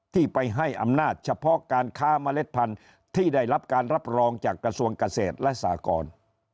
ที่ไปให้อำนาจเฉพาะการค้าเมล็ดพันธุ์ที่ได้รับการรับรองจากกระทรวงเกษตรและสากร